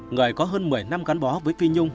người có hơn một mươi năm gắn bó với phi nhung